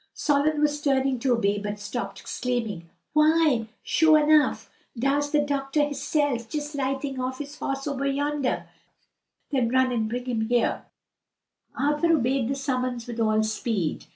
Solon was turning to obey, but stopped, exclaiming, "Why, sho' anuff, dar's de doctah hisself just lightin' off his hoss ober yondah!" "Then run and bring him here." Arthur obeyed the summons with all speed.